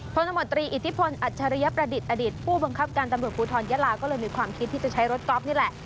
ตมตรีอิทธิพลอัจฉริยประดิษฐ์อดีตผู้บังคับการตำรวจภูทรยะลาก็เลยมีความคิดที่จะใช้รถก๊อฟนี่แหละ